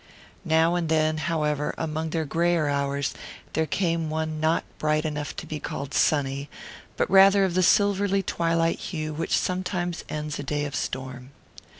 Now and then, however, among their greyer hours there came one not bright enough to be called sunny, but rather of the silvery twilight hue which sometimes ends a day of storm.